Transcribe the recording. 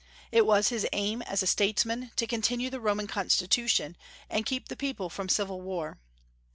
It was his aim, as a statesman, to continue the Roman Constitution and keep the people from civil war.